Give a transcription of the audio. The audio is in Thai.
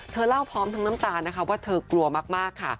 เธอเล่าพร้อมทั้งน้ำตานะคะว่าเธอกลัวมากค่ะ